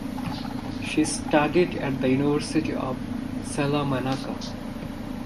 She studied at the University of Salamanca.